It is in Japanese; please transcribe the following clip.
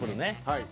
はい。